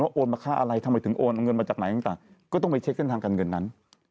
โอนมาค่าอะไรทำไมถึงโอนเอาเงินมาจากไหนต่างก็ต้องไปเช็คเส้นทางการเงินนั้น